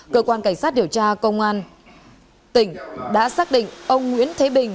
cơ quan cảnh sát điều tra công an tỉnh đã xác định ông nguyễn thế bình